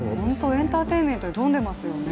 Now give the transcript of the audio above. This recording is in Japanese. エンターテインメントに富んでいますよね。